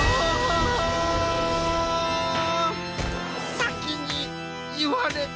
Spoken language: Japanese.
さきにいわれた。